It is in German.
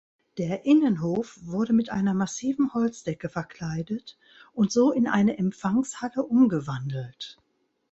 Der Innenhof wurde mit einer massiven Holzdecke verkleidet und so in eine Empfangshalle umgewandelt.